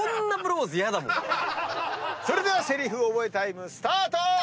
それではセリフ覚えタイムスタート！